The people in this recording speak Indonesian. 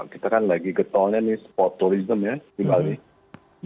kita kan lagi getolnya nih sport tourism ya di bali